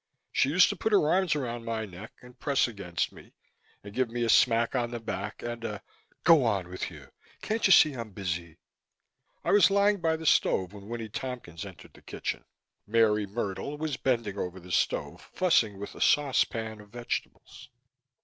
She used to put her arms around my neck and press against me and give me a smack on the back and a "Go on with you, can't you see I'm busy?" I was lying by the stove when Winnie Tompkins entered the kitchen. Mary Myrtle was bending over the stove, fussing with a saucepan of vegetables.